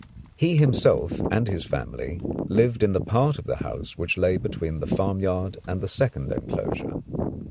He himself and his family lived in the part of the house which lay between the farmyard and the second enclosure.